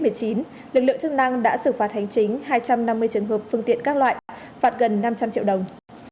lực lượng chức năng đã xử phạt hành chính hai trăm năm mươi trường hợp phương tiện các loại phạt gần năm trăm linh triệu đồng